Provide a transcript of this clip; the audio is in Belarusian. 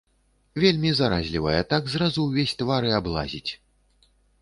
Вельмі заразлівая, так зразу ўвесь твар і аблазіць.